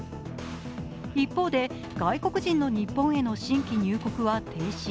一方で、外国人の日本への新規入国は停止。